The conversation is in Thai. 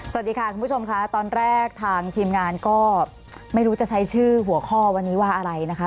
สวัสดีค่ะคุณผู้ชมค่ะตอนแรกทางทีมงานก็ไม่รู้จะใช้ชื่อหัวข้อวันนี้ว่าอะไรนะคะ